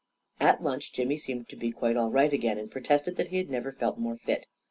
" At lunch, Jimmy seemed to be quite all right again, and protested that he had never felt more fit.